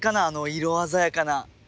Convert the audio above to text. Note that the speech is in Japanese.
あの色鮮やかな。